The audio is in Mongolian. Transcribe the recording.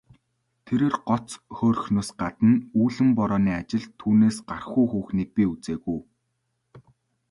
Тэрээр гоц хөөрхнөөс гадна үүлэн борооны ажилд түүнээс гаргуу хүүхнийг би үзээгүй.